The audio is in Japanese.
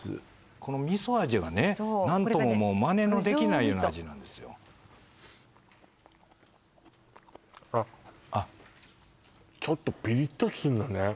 この味噌味がね何とももうマネのできないような味なんですよあっあっちょっとピリッとするのね